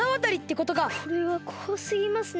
これはこわすぎますね。